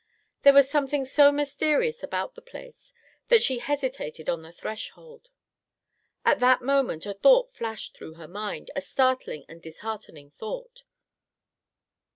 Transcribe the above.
There was something so mysterious about the place that she hesitated on the threshold. At that moment a thought flashed through her mind, a startling and disheartening thought.